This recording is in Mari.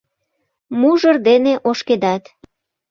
Мужыр дене ошкедат